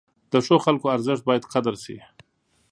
د ښو خلکو ارزښت باید قدر شي.